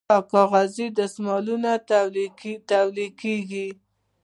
د کاغذ دستمال تولیدیږي